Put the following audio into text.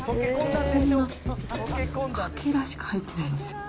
こんなかけらしか入ってないんですよ。